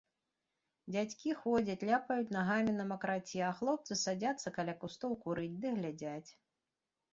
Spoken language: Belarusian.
Дзядзькі ходзяць, ляпаюць нагамі на макраце, а хлопцы садзяцца каля кустоў курыць ды глядзяць.